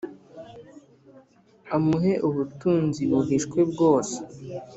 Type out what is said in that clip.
amuhe ubutunzi buhishwe bwose